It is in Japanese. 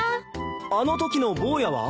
あのときの坊やは？